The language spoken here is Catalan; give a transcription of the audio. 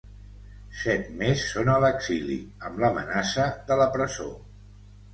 Set més són a l’exili amb l’amenaça de la presó.